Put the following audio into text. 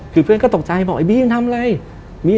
คือเพื่อนก็ตกใจบอกไอ้บีมันทำอะไร